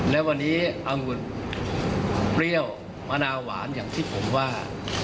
และวันนี้อังุ่นเปรี้ยวมะนาวหวานอย่างที่ผมว่า